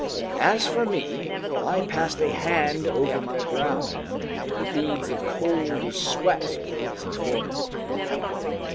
As for me, I passed a hand over my brow, where beads of cold sweat were busy forming.